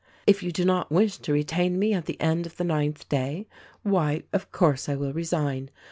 If you do not wish to retain me at the end of the ninth day, why, of course, I will resign.